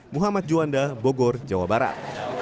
muhammad juanda bogor jawa barat